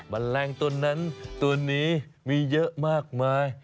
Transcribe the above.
แมลงตัวนั้นตัวนี้มีเยอะมากมาย